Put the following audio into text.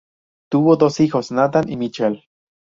Tuvo dos hijos, Nathan y Michael.